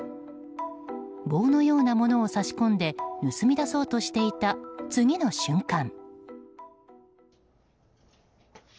棒のようなものを差し込んで盗み出そうとしていた次の瞬間。